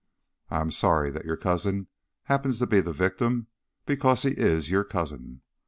I am sorry that your cousin happens to be the victim, because he is your cousin.